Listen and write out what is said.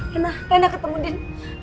rina rina ketemu din